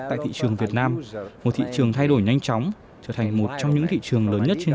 với việt nam một thị trường thay đổi nhanh chóng trở thành một trong những thị trường lớn nhất trên